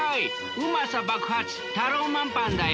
うまさ爆発タローマンパンだよ。